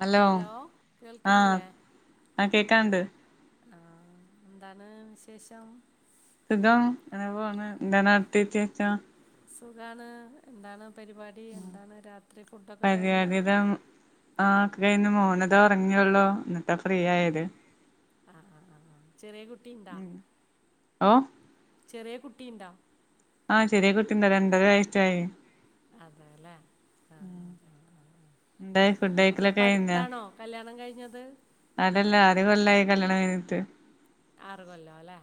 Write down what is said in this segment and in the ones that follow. Hello ആഹ് ആ കേക്കാണ്ട് ആ എന്താണ് വിശേഷം? സുഖം അങ്ങനെ പോണ് എന്താണ് അട്ത്തീ വിച്ചേച്ചം സുഖാണ് എന്താണ് പരിപാടി എന്താണ് രാത്രി ഫുഡൊക്കെ കഴിഞ്ഞോ? പരിപാടിതാ ആഹ് ഒക്കെ കയിന്ന് മോന് താ ഉറങ്ങിയൊള്ളു ആഹ് ആഹ് ആ ചെറിയ കുട്ടിണ്ടാ? ഉം ഓ ചെറിയ കുട്ടിയ്ണ്ടാ? ആഹ് ചെറിയ കുട്ടിണ്ട് രണ്ടര വയസ്സായി അതേല്ലേ? ആഹ് ആഹ് എന്തായി ഫുഡ് കഴിക്കലൊക്കെ കഴിഞ്ഞോ അപ്പൊപ്പടുത്താണോ? കല്ല്യാണം കഴിഞ്ഞത് അതല്ല ആറ് കൊല്ലായി കല്ല്യാണം കഴിഞ്ഞിട്ട് ആറ് കൊല്ലോല്ലേ?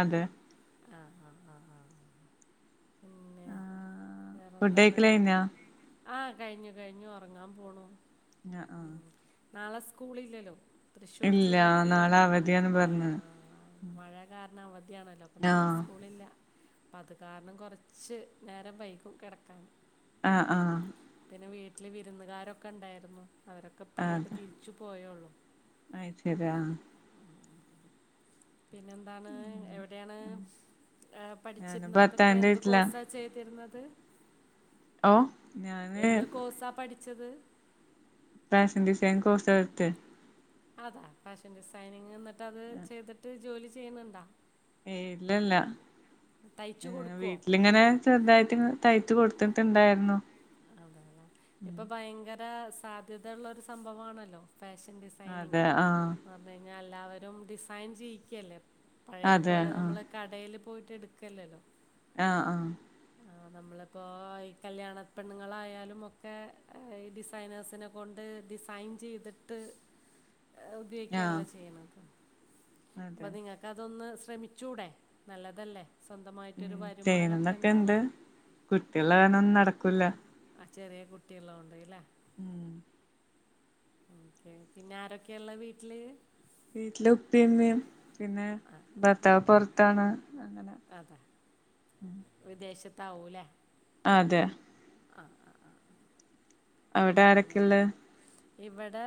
അതെ ആഹ ആഹ് ആഹ് ആഹ് ആ് പിന്നെ ആഹ് ഫുഡ് വേറെന്താണ്? കഴിക്കല് കഴിഞ്ഞോ ആഹ് കഴിഞ്ഞു കഴിഞ്ഞു ഒറങ്ങാൻ പോണു ങ്ങാ ഉം നാളെ സ്കൂളില്ലല്ലോ തൃശ്ശൂർ ഇല്ല ജില്ലക്ക് നാളെ അവധിയാന്ന് പറഞ്ഞ് ആഹ് മഴ കാരണം അവധിയാണല്ലോ അപ്പൊ നാളെ ആഹ് സ്കൂളില്ല അപ്പത് കാരണം കൊറച്ച് നേരം വൈകും കെടക്കാന് ആഹ് ആഹാ പിന്നെ വീട്ടില് വിരുന്നുകാരൊക്കെണ്ടായിരുന്നു അവരൊക്കെപ്പങ്ങട്ട് തിരിച്ചു പോയൊള്ളു അയ് ശെരി ആഹ് ആഹ് ആഹ് ആഹ് പിന്നെന്താണ് എവിടെയാണ് ഞാന് പഠിച്ചിരുന്നതൊക്കെ ഭർത്താവിന്റെ എന്ത് വീട്ടില കോഴ്സാ ചെ യ്തിര്ന്നത് ഓ ഞാന് എന്ത് കോഴ്സാ പഠിച്ചത്? ഫാഷൻ ഡിസൈനിംഗ് കോഴ്സാ പടിത്തെ അതാ ഫാഷൻ ഡിസൈനിങ് എന്നിട്ടത് ചെയ്തിട്ട് ജോലി ചെയ്യുന്നുണ്ടോ? ഏയ് ഇല്ലല്ല തയ്ച്ചു ഏഹ് കൊടുക്കുവോ വീട്ടിലിങ്ങനെ ചെറുതായിട്ട് തയ്ച്ച് കൊടുത്തിട്ടുണ്ടായിരുന്നു അതേല്ലെ ഇപ്പൊ ഭയങ്കര സാധ്യതയുള്ളൊരു സംഭവാണല്ലോ ഫാഷൻ അതെ ഡിസൈനിങ്ന്ന് ആഹ് പറഞ്ഞ കഴിഞ്ഞാലെല്ലാവരും ഡിസൈൻ ചെയ്യിക്കല്ലേ? പഴേ അതെ പോലെ ആഹ് നമ്മള് കടേല് പോയിട്ട്ടുക്കല്ലല്ലോ? ആഹ് ആഹ് ആഹ് നമ്മളിപ്പോ ഈ കല്യാണ പെണ്ണുങ്ങളായാലും ഒക്കെ ഈ ഡിസൈനേഴ്സിനെ കൊണ്ട് ഡിസൈൻ ചെയ്തിട്ട് ആഹ് ഉപയോഗിക്കല്ലെ ചെയ്യണത് അപ്പ അതെ നിങ്ങക്കതൊന്ന് ശ്രമിച്ചൂടെ നല്ലതല്ലേ സ്വന്തമായിട്ടൊരു ഉം വരുമാനക്കെ ചെയ്യണന്നൊക്കെ ഇണ്ട് ഉണ്ടാവാൻ കുട്ടികള് കാരണം ഒന്നും നടക്കൂല ആ ചെറിയ കുട്ടിള്ളോണ്ട്ലെ ഉം ഓക്കെ പിന്നെ ആരൊക്കെള്ളത് വീട്ടിൽ വീട്ടില് ഉപ്പി ഇമ്മീം പിന്നെ ആഹ് ഭർത്താവ് പൊറത്താണ് അങ്ങനെ അതെ വിദേശത്താവുലെ അതെ ആഹ് ആഹ് അവിടെ അങ്ങനെ ആരൊക്കെയുള്ളെ ഇവിടെ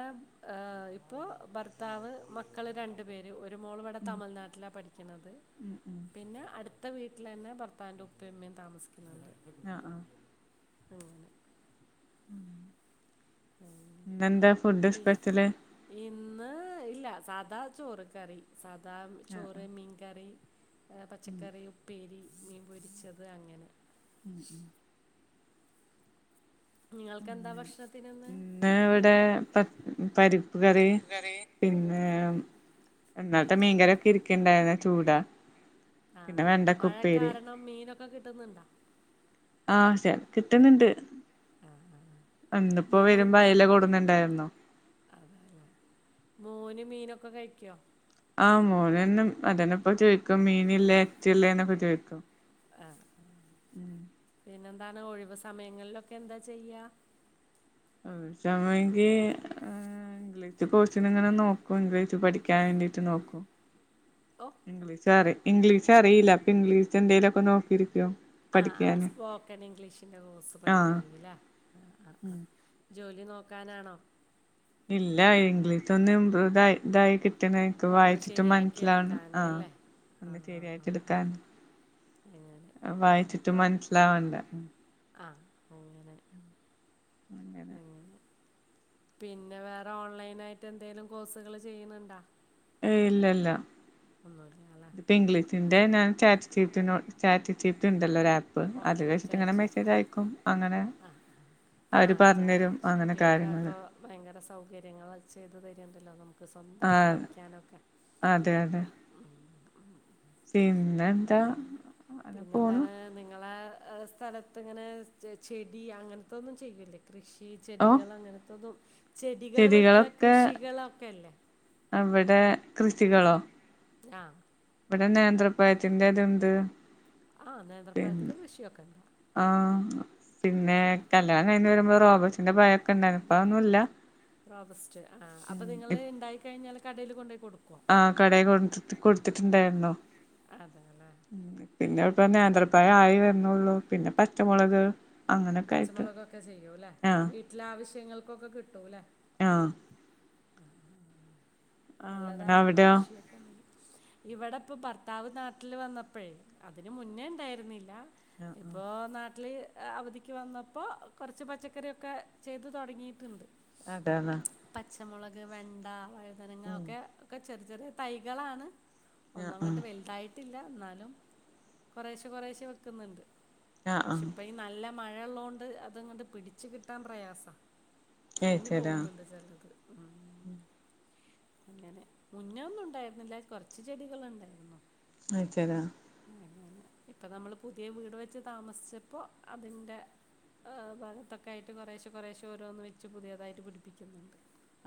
ഇപ്പോ ഭർത്താവ് മക്കള് രണ്ടുപേര് ഒരു ഒരു മോള് ഇവടെ ഉം തമിഴ്നാട്ടിലാ പഠിക്കണത് ഉം ഉം പിന്നെ അടുത്ത വീട്ടിലന്നെ ഭർത്താവ്ന്റെ ഉപ്പ ഉമ്മീം താമസിക്കുന്നുണ്ട് ആഹ് ആഹ് അങ്ങനെ ഉം ഉം. ഇന്നെന്താ ഫുഡ് പിന്നെ സ്പെഷ്യല് ഇന്ന് ഇല്ല സാദാ ചോറ് കറി സാദാ ചോറ് മീൻ കറി പച്ചക്കറി ഉപ്പേരി മീൻ പൊരിച്ചത് അങ്ങനെ ഉം ഉം നിങ്ങൾകെന്താ ഭക്ഷണത്തിന് ഇന്ന് ഇന്ന് ഇവിടെ പരിപ്പ്കറി പറ്റിപ്പ് കറി പിന്നെ ഇന്നാൽത്തെ മീൻകര ഒക്കെ ഇരിക്കണ്ടായിരുന്ന ചൂടാ പിന്നെ ആഹ് വെണ്ടക്ക മഴ ഉപ്പേരി കാരണം മീനൊക്കെ കിട്ടുന്നുണ്ടോ ആഹ് ശ കിട്ടുന്നുണ്ട് ആ ആ. ഇന്നിപ്പോ വരുമ്പോ അയല കുടുന്നുണ്ടായിരുന്നു അതാലെ മോന് മീനൊക്കെ കഴിക്കോ ആഹ് മോനന്നും അതന്നെ ഇപ്പ ചോദിക്കും മീമില്ലേ എച്ചല്ലേ എന്നൊക്കെ ചോയ്ക്കും ആഹ് ആഹ് ഉം പിന്നെന്താണ് ഒഴിവ് സമയങ്ങളിലൊക്കെ എന്താ ചെയ്യാ ഒഴിവ് സമയെങ്കി ഏഹ് ഇംഗ്ലീഷ് കോഴ്സിനങ്ങനെ നോകും ഇംഗ്ലീഷ് പഠിക്കാൻ വേണ്ടിട്ട് നോക്കും ഓ ഇംഗ്ലീഷറി ഇംഗ്ലീഷ് അറിയില്ല ഇപ്പൊ ഇംഗ്ലീഷ എന്തേലൊക്കെ നോക്കിരിക്കും ആഹ് ആഹ് സ്പോക്കൺ ഇംഗ്ലീഷിന്റെ കോഴ്സ് ആഹ് പഠിക്കാണീലെ ആഹ് ആഹ് ആഹ് ജോലി നോക്കാനാണോ ഇല്ല ഇംഗ്ലീഷ് ഒന്ന് ഇമ്പ്രൂദായി ഇതായി കിട്ടണക്ക് ഒന്ന് വായിച്ചിട്ട് ശരിയാക്കി മനസ്സിലാവാണ് എടുക്കാനേ ആഹ് അല്ലേ ആ ഒന്ന് ആ ആ ആ. ശരിയായിട്ട്ടുക്കാൻ അങ്ങനെ വായിച്ചിട്ട് മൻസ്സിലാവണ്ടെ ആഹ് അങ്ങനെ ആന്നെ അങ്ങനെ പിന്നെ വേറെ ഓൺലൈനായിട്ട് എന്തെങ്കിലും കോഴ്സുകള് ചെയ്യ്ന്ന്ണ്ടാ? ഏയ് ഇല്ല ഇല്ല ഒന്നുമില്ല അല്ലേ ഇപ്പം ഇംഗ്ലീഷിന്റെ ഞാൻ chat cheat no chat GP ണ്ടല്ലോ ഒരാപ്പ് ഓ അത് [unintelligible] ചാറ്റ് ട്ടിങ്ങനെ ജി മെസ്സേജയക്കും അങ്ങനെ. ആഹ് അവര് ആഹ് ചാറ്റ് പറഞ്ഞരും ജി അങ്ങനെ പി ഒക്കെ കാര്യങ്ങള് ഇപ്പോൾ ഭയങ്കര സൗകര്യങ്ങള് ചെയ്ത് തരേണ്ടല്ലോ നമുക്ക് സ്വന്തായിട്ട് ആഹ് പഠിക്കാനൊക്കെ. അതെ അതെ ആഹ് പിന്നെന്താ അങ്ങനെ പോണു പിന്നെന്താണ് നിങ്ങളെ സ്ഥലത്ത്ങ്ങനെ ചെടി അങ്ങനത്തൊന്നും ചെയ്യൂല്ലേ? കൃഷി ഓ ചെടികൾ അങ്ങനത്തെതും ചെടികള് വെക്ക ചെടികളൊക്കെ കൃഷികളൊക്കെല്ലേ അവിടെ കൃഷികളോ? ആഹ് ഇവിടെ നേന്ത്രപ്പഴത്തിന്റെ തുണ്ട്. ആഹ്, നേന്ത്രപ്പഴത്തിന്റെ കൃഷിയൊക്കെണ്ടാ? ആഹ് പിന്നെ കല്യാണം കഴിഞ് വരുമ്പോ റോബസ്റ്റിന്റെ പഴൊക്കെ ഉണ്ടായിരുന്നു. ഇപ്പതൊന്നുല്ല. റോബസ്റ്റ്, ആഹ് അപ്പ നിങ്ങള് ണ്ടായി കഴിഞ്ഞാല് കടേയ്ല് കൊണ്ടോയി കൊടു ആഹ് കടേ കൊടുത്ത് കൊടുത്തിട്ടുണ്ടായിരുന്നു. അതെ അല്ലേ പിന്നെ ഇപ്പ നേന്ത്രപ്പഴം ആയി വരുന്നുള്ളു. പിന്നെ പച്ചമുളക് അങ്ങനൊക്കെ ആയിട്ട് പച്ചമുളകൊക്കെ ചെയ്യൂല്ലെ ആ വീട്ടിലെ ആവശ്യങ്ങൾക്കൊക്കെ കിട്ടൂല്ലെ ആഹ് ആ അങ്ങനെ നല്ലതാണ് അവിടെയോ കൃഷിയൊക്കെ [unintelligible] ഇവടെപ്പ ഭർത്താവ് നാട്ടില് വന്നപ്പഴേ അതിന് മുന്നേണ്ടായിരുന്നില്ല. ആ ആ ഇപ്പോ നാട്ടില് അവധിക്ക് വന്നപ്പോ കൊറച്ച് പച്ചക്കറി ഒക്കെ ചെയ്ത് തുടങ്ങിട്ട്ണ്ട്. അതാണ് പച്ചമുളക്, വെണ്ട, വഴുതനങ്ങ ഉം ഒക്കെ ഒക്കെ ചെറി ചെറി തൈകളാണ്. ആ ഒന്നും ആ അങ്ങട്ട് വലുതായിട്ടില്ല എന്നാലും കൊറേശ്ശെ കൊറേശ്ശെ വെക്കുന്നുണ്ട്. ആ ആ പക്ഷെ ഇപ്പ ഈ നല്ല മഴയൊള്ളോണ്ട് അത്ങ്ങട് പിടിച്ചു കിട്ടാൻ പ്രയാസ. ചീഞ്ഞി അയ്ശരാ പോകുന്നുണ്ട് ചെലത് ഉം അങ്ങനെ. മുന്നെ ഒന്നും ഇണ്ടായിരുന്നില്ല കൊറച്ച് ചെടികള് ണ്ടായിരുന്നു. [unintelligible] ഇപ്പ നമ്മള് പുതിയ വീട് വെച്ച് താമസിച്ചപ്പോ അതിന്റെ ആഹ് ഭാഗത്തൊക്കായിട്ട് കൊറേശെ കൊറേശെ ഓരോന്ന് വെച്ച് പുതിയതായിട്ട് പിടിപ്പിക്കുന്നുണ്ട്.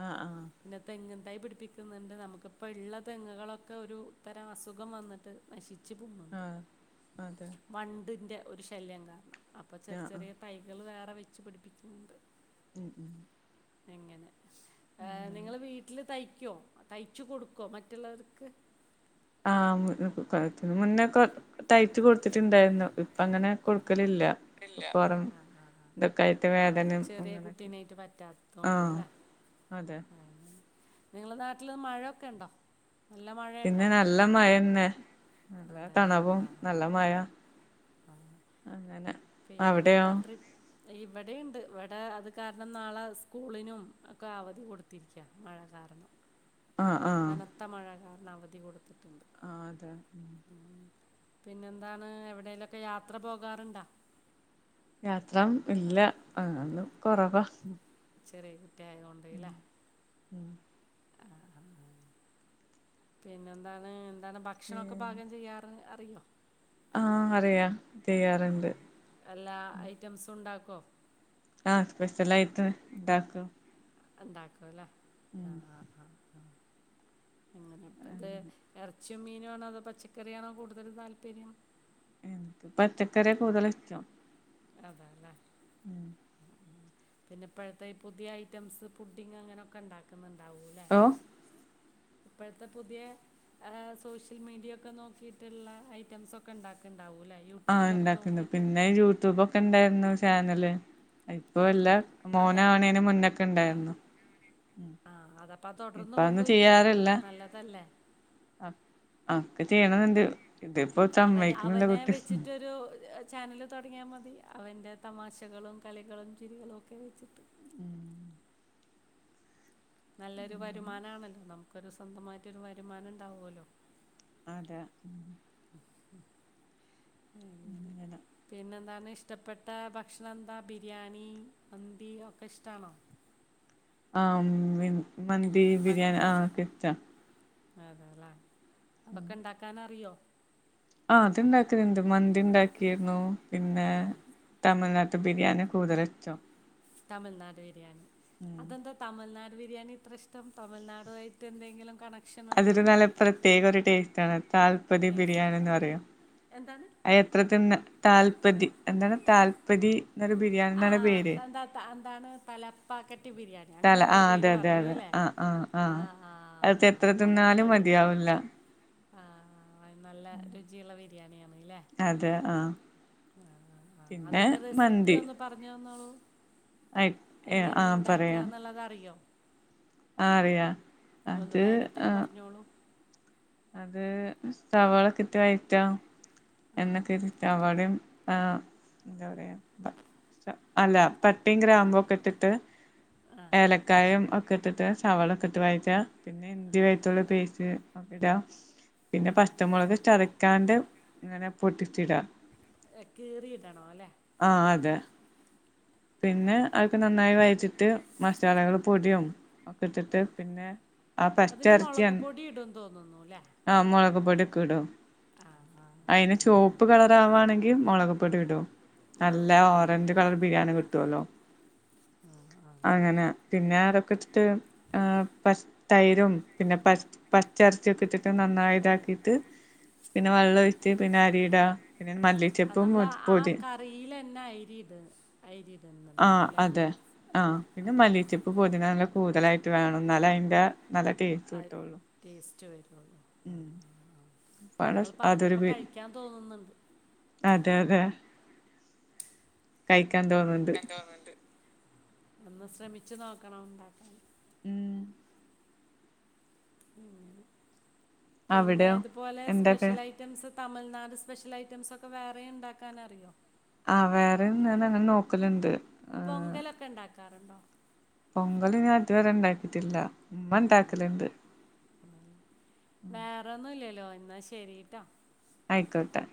ആഹ് ഹാ പിന്നെ തെങ്ങുംതൈ പിടി പ്പിക്കുന്നുണ്ട്. നമുക്കിപ്പ ഇള്ള തെങ്ങുകളൊക്കെ ഒരു തരം അസുഖം വന്നിട്ട് നശി ച്ച് ആഹ് പോണുണ്ട്. ആഹ് അതെ വണ്ടിന്റെ ഒരു ശല്യം കാരണം അപ്പോ ചെറി ആഹ് ആഹ് ചെറിയ തൈകള് വേറെ വെച്ച് പിടിപ്പിക്കുന്നുണ്ട്. ഉം ഉം എങ്ങനെ ഏഹ് നിങ്ങള് വീട്ടില് തയ്ക്കോ? തയ്ച്ചു കൊടുക്കോ മറ്റുള്ളവർക്ക്? ആഹ് [unintelligible] മുന്നേക്കെ തയ്ച്ചു കൊടുത്തിട്ടുണ്ടായിരുന്നു. അങ്ങനെ കൊടുക്കലില്ല ഇല്ല പൊറം ആഹ് ആഹ് ആഹ് ആഹ്.. ഇതൊക്കെ ആയിട്ട് ആഹ് ഉം വേദനയും ചെറിയ അങ്ങനൊക്കെ കുട്ടീനായിട്ട് ആഹ് പറ്റാത്തോണ്ട്ല്ലേ? അതെ ആ നിങ്ങള നാട്ടില് മഴൊക്കെ ഉണ്ടോ നല്ല പിന്നെ മഴേണ്ടോ നല്ല മഴന്നെ നല്ല അതെല്ലേ തണുവും ആഹ് ആ നല്ല മഴ ആഹ് അങ്ങനെ അവിടെയോ പിന്നെന്താ ട്രിപ്പ് ഇവിടെണ്ട് ഇവിടെ അത് കാരണം നാളെ സ്കൂളിനും ഒക്കെ അവധി കൊടുത്തിരിക്കുകാ മഴ കാരണം ആഹ് ആഹ് കനത്ത മഴ കാരണം അവധി കൊടുത്തിട്ടുണ്ട് ആഹ് അതെ ഉം പിന്നെന്താണ് എവിടെേലുംക്കെ യാത്ര പോകാറുണ്ടോ യാത്ര ഇല്ല അത് കൊറവാ ചെറിയ കുട്ടിയായത് കൊണ്ടല്ലേ ഉം ആഹ് ആഹ് പിന്നെന്താണ് എന്താണ് ഭക്ഷണംക്കെ പിന്നെ പാകം ചെയ്യാറ് അറിയോ ആഹ് അറിയാം ഉം ചെയ്യാറുണ്ട് എല്ലാ ഐറ്റംസും ഉണ്ടാക്കുമോ ആത്ത് പൈസ്സ ലൈറ്റർ ണ്ടാക്കും ഉണ്ടാക്കും അല്ലേ ആഹ് ആഹ് ആ ആ അങ്ങനെ ഇത് ഇറച്ചിയും മീനും ആണോ അതോ പച്ചക്കറിയാണോ കൂടുതൽ താല്പര്യം പച്ചക്കറിയ കൂട്തല് ഇഷ്ടം അതെ അല്ലേ പിന്നെ ഇപ്പോഴത്തെ ഈ പുതിയ ഐറ്റംസ് ഫുഡിങ് അങ്ങനെയൊക്കെ ഉണ്ടാക്കുന്നുണ്ടാവല്ലേ ഓ ഇപ്പോഴത്തെ പുതിയ സോഷ്യൽ മീഡിയ ഒക്കെ നോക്കിയിട്ടുള്ള ഐറ്റംസ് ഒക്കെ ഉണ്ടാക്കുണ്ടാവൂലേ ആഹ് ഇണ്ടാക്കുന്നു പിന്നെ യൂട്യൂബൊക്കെ ഇണ്ടായിരുന്നു ചാനല് ആ ഇപ്പം ഇല്ല ആ അതെ മോന് ആണേന് മുന്നൊക്കെ ഉണ്ടായിരുന്നു ആഹ് അതപ്പ തുടർന്ന് ഇപ്പൊ അതൊന്നും കൊണ്ട്പോയിക്കൂടേ ചെയ്യാറില്ല നല്ലതല്ലേ ആഹ് ആക്കെ ചെയ്യണംന്ന്ണ്ട് അവന അവനെ വെച്ചിട്ടൊരു ചാനല് തുടങ്ങിയാൽ മതി അവൻ്റെ തമാശകളും കളികളും ചിരികളും ഒക്കെ വെച്ചിട്ട് ഉം നല്ലൊരു വരുമാനമാണല്ലോ നമുക്കൊരു സ്വന്തമായിട്ടൊരു വരുമാനം ഉണ്ടാവുമല്ലോ അതെ അങ്ങനെ പിന്നെന്താണ് ഇഷ് ഇഷ്ടപ്പെട്ട ഭക്ഷണം എന്താ ബിരിയാണി മന്തി ഒക്കെ ഇഷ്ടാണോ ആഹ് മന്തി ബിരിയാണി ആഹ് അതൊക്കിഷ്ട്ടാ അതെല്ലേ അതൊക്കെ ഉണ്ടാക്കാന് അറിയോ ആഹ് അത് ഇണ്ടാക്കുന്നുണ്ട് മന്തി ഉണ്ടാക്കിരുന്നു പിന്നെ, തമിഴ്നാട്ട് ബിര്യാണി കൂടുതല്സ്റ്റം തമിൾനാട് ബിരിയാണി അതെന്താ തമിൾനാട് ബിരിയാണി ഇത്രഷ്റ്റം തമിൾനാടുവായിട്ടെന്തെങ്കിലും കണ അതൊരു നല്ല പ്രത്യേകൊരു ടേസ്റ്റാണ് താല്പരി ടേസ്റ്റ് ബിരിയാണിന്ന് പറയും. [unintelligible] അ എത്രത്തിന്നെ താൽപതി എന്താണ് താൽപതി ന്നലെ ബിരിയാ ആഹ് അതന്താ ന്താണ്, തലപ്പാക്കറ്റ് ബിരിയാണി. തല അങ്ങനെന്തോ ആഹ് പേര് അതെ അതെ അതെ പറയൂലേ! ആഹ് ആഹ് ആ ആഹ് ആഹ് അത് ഹാ എത്ര പറയുന്ന തിന്നാലും കേട്ടിട്ടുണ്ട്. മതിയാവില്ല ആഹ് നല്ല രുചിയുള്ള ബിരിയാണിയാണ്ല്ലേ! അതെ ആഹ് ആഹ് ആഹ് ആഹ് പിന്നെ അതിന്റെ റെസി മന്തി പറഞ്ഞന്നോളു, എങ്ങനെ ആഹ് പറയാ ഉണ്ടാക്കാന്നുള്ളതറിയോ? ആഹ് അറിയാം, അത് ആഹ്- പറഞ്ഞോളൂ! അത്, സവാളക്കിട്ടൊരു ഐറ്റം. ആ [unintelligible] എവിടെയും ആഹ്- [unintelligible] അല്ല, പട്ടയും ഗ്രാമ്പൊക്കെ ഇട്ടിട്ട് ആ ഏലക്കായം ഒക്കെ ഇട്ടിട്ട് സവാളക്കിട്ട് വഴറ്റാ, പിന്നെ ഇഞ്ചി വെളുത്തുള്ളി പേസ്റ്റ് - ഇടാം പിന്നെ, പച്ചമുളക് ചതക്കാണ്ട് ഇങ്ങനെ പൊട്ടിച്ചിടാം. കീറിയിടണം അല്ലെ ആഹ് അതെ ആ പിന്നെ, ആ അതൊക്കെ നന്നായി വഴറ്റിയിട്ട് മസാലകള് പൊടിയാവും ആ ഇട്ടിട്ട് പിന്നെ, ആഹ് അതിൽ മുളക് പച്ചെറച്ചിയൻ പൊടി ഇടും തോന്നുന്നു ആഹ് മുളക്പൊടിയൊക്കെ ഇടും? ആഹ് അയിന് ആഹ് ചുവപ്പ് ആഹ് കളറാവാണെങ്കി ആഹ് മൊളക് പൊടി ആഹ് ഇടും. [unintelligible] നല്ല ഓറഞ്ച് കളറ് ബിരിയാണി കിട്ടോലോ, ആ ആ ആ അങ്ങനെ- പിന്നെ, അതൊക്കെ വെച്ചിട്ട് ഏഹ് പഷ് തൈരും പിന്നെ, പച് പച്ച ഇറച്ചിയൊക്കെട്ടിട്ട് നന്നായിതാക്കിട്ട് പിന്നെ, വെള്ള ഒഴിച്ച് പിന്നെ അരിയിടാ പിന്നെ മല്ലി ആഹ് നമ്മള് ആ കറീല് തന്നെ അയ്രിട് അയ്രിടെന്ന്. ആഹ് അതെ. ആഹ് പിന്നെ മല്ലിച്ചപ്പ്, പൊതിന ഇല കൂടുതലായിട്ട് വേണം എന്നാലയിന്റെ നല്ല ടേസ്റ്റ് ആഹ്‌ കിട്ടുള്ളൂ. ടേസ്റ്റ് വരുള്ളൂ ഉം ആഹ്‌ ആഹ്.. നിങ്ങള് പറഞ്ഞപ്പോ കഴിക്കാൻ തോന്ന്ന്നുണ്ട്. അതെയതെ. തോന്ന്ണ്ട്. [unintelligible] ഒന്ന് ശ്രമിച്ച് നോക്കണം, ഉണ്ടാക്കാന്. ഉം! ഉം പിന്നെ, അവിടെയോ ഇതുപോലെ എന്തൊക്കെ സ്പെഷ്യലായ്- ഐറ്റംസ്, തമിൾനാട് സ്പെഷ്യലൈറ്റംസൊക്കെ വേറേയും ഉണ്ടാക്കാനറിയോ? ആ വേറേയും ഞാനിങ്ങനെ നോക്കലുണ്ട്! പൊങ്കലൊക്കെണ്ടാക്കാറുണ്ടോ? പൊങ്കല് ഞാൻ ഇതുവരെ ഉണ്ടാക്കിയിട്ടില്ല, ഉമ്മ ഉണ്ടാക്കലുണ്ട്. വേറൊന്നും ഇല്ലല്ലോ എന്നാ ശരീട്ടോ! ആയിക്കോട്ടെ!